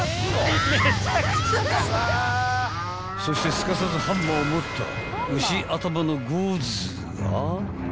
［そしてすかさずハンマーを持った牛あたまの牛頭が］